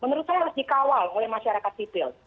menurut saya harus dikawal oleh masyarakat sipil